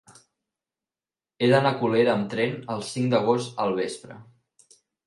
He d'anar a Colera amb tren el cinc d'agost al vespre.